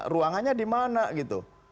ruangannya di mana gitu